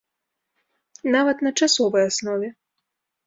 Нават на часовай аснове.